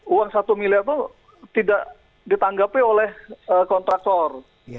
uang satu miliar itu tidak ditanggapi oleh kontraktor